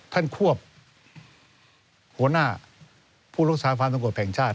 ท่านควบหัวหน้าผู้รักษาความสงสัยแผงชาติ